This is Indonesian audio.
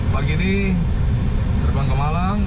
pagi ini terbang ke malang